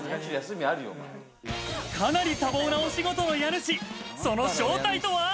かなり多忙なお仕事の家主、その正体とは？